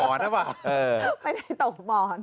หมอนนะไม่ได้ตมหมอน